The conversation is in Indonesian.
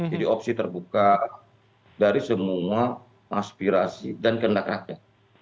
jadi opsi terbuka dari semua aspirasi dan kendak rakyat